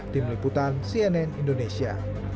tim liputan cnn indonesia